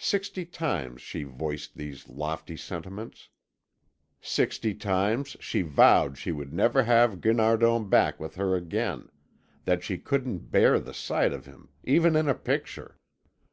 Sixty times she voiced these lofty sentiments; sixty times she vowed she would never have Guinardon back with her again, that she couldn't bear the sight of him, even in a picture.